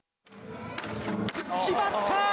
決まった！